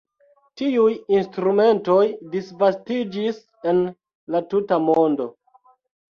Tiuj instrumentoj disvastiĝis en la tuta mondo.